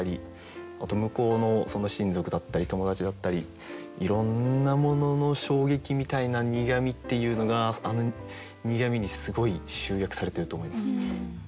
あと向こうの親族だったり友達だったりいろんなものの衝撃みたいな苦味っていうのがあの「苦味」にすごい集約されてると思います。